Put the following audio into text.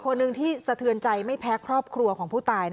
คนหนึ่งที่สะเทือนใจไม่แพ้ครอบครัวของผู้ตาย